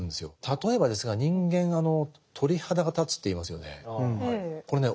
例えばですが人間「鳥肌が立つ」と言いますよね。